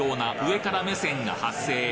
上から目線が発生。